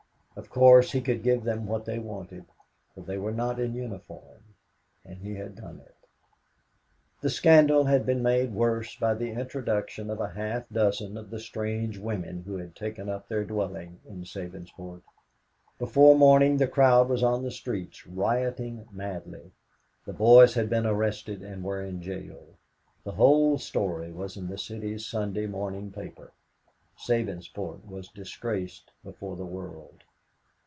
Of course he could give them what they wanted, for they were not in uniform! And he had done it. The scandal had been made worse by the introduction of a half dozen of the strange women who had taken up their dwelling in Sabinsport. Before morning the crowd was on the streets, rioting madly. The boys had been arrested and were in jail. The whole story was in the City's Sunday morning paper. Sabinsport was disgraced before the world.